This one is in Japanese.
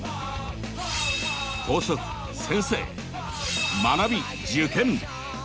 校則先生学び受験。